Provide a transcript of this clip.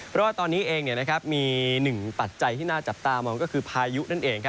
เพราะว่าตอนนี้เองมีหนึ่งปัจจัยที่น่าจับตามองก็คือพายุนั่นเอง